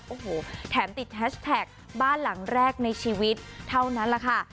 โอ้โหแถมติดแฮชแท็กบ้านหลังแรกในชีวิตเท่านั้นแหละค่ะ